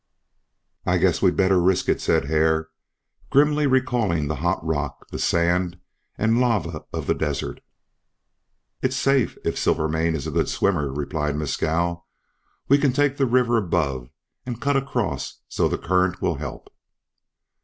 "I guess we'd better risk it," said Hare, grimly recalling the hot rock, the sand, and lava of the desert. "It's safe, if Silvermane is a good swimmer," replied Mescal. "We can take the river above and cut across so the current will help."